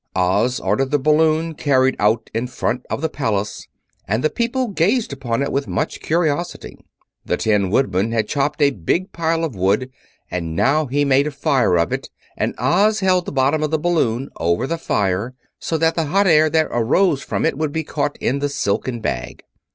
Oz ordered the balloon carried out in front of the Palace, and the people gazed upon it with much curiosity. The Tin Woodman had chopped a big pile of wood, and now he made a fire of it, and Oz held the bottom of the balloon over the fire so that the hot air that arose from it would be caught in the silken bag.